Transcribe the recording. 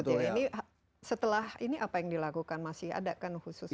tapi setelah ini apa yang dilakukan masih ada kan khusus untuk covid